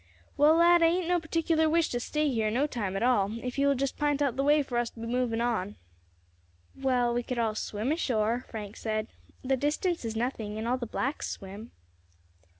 "Well, lad, I ain't no particular wish to stay here no time at all, if you will just pint out the way for us to be moving on." "Well, we could all swim ashore," Frank said; "the distance is nothing, and all the blacks swim."